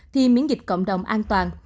thì biến chủng omicron an toàn